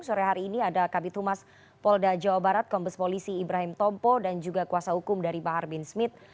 sore hari ini ada kabit humas polda jawa barat kombes polisi ibrahim tompo dan juga kuasa hukum dari bahar bin smith